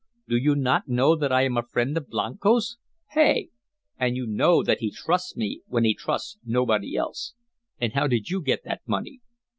Do you not know that I am a friend of Blanco's? Hey? And you know that he trusts me when he trusts nobody else." "And how did you get that money?"